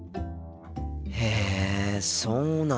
へえそうなんだ。